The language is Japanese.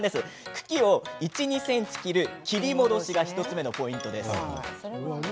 茎を１、２ｃｍ切る切り戻しが１つ目のポイント。